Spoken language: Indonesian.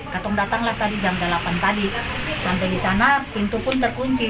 katung datanglah tadi jam delapan tadi sampai di sana pintu pun terkunci